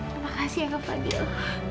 terima kasih ya kak fadil